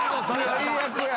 最悪や。